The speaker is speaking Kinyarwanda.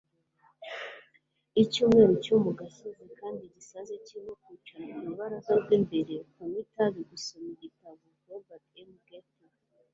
icyumweru cyo mu gasozi kandi gisaze kirimo kwicara ku rubaraza rw'imbere, kunywa itabi, gusoma igitabo - robert m gates